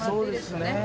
そうですね。